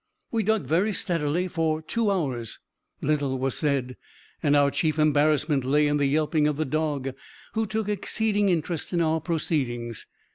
We dug very steadily for two hours. Little was said; and our chief embarrassment lay in the yelpings of the dog, who took exceeding interest in our proceedings.